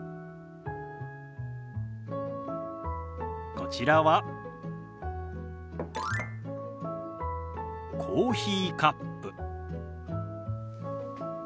こちらはコーヒーカップ。